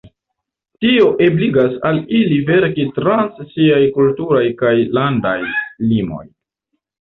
Tio ebligas al ili verkis trans siaj kulturaj kaj landaj limoj.